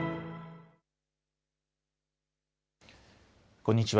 こんにちは。